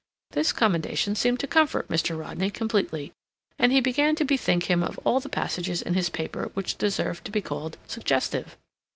This commendation seemed to comfort Mr. Rodney completely, and he began to bethink him of all the passages in his paper which deserved to be called "suggestive."